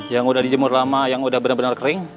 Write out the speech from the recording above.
yang udah dijemur lama yang udah bener bener kering